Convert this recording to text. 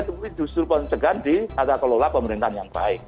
tapi justru pencegahan di tata kelola pemerintahan yang baik